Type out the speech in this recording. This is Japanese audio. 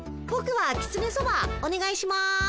ぼくはきつねそばおねがいします。